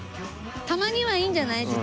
たまにはいいんじゃない？